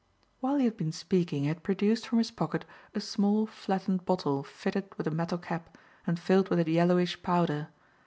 While he had been speaking he had produced from his pocket a small, flattened bottle fitted with a metal cap and filled with a yellowish powder.